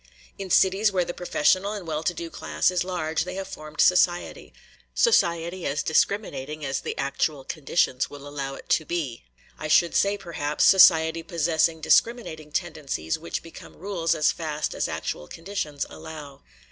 In cities where the professional and well to do class is large they have formed society society as discriminating as the actual conditions will allow it to be; I should say, perhaps, society possessing discriminating tendencies which become rules as fast as actual conditions allow.